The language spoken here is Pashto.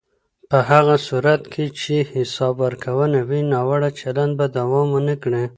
په هغه صورت کې چې حساب ورکونه وي، ناوړه چلند به دوام ونه کړي.